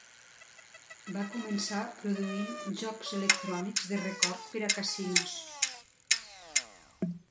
Va començar produint jocs electrònics de record per a casinos.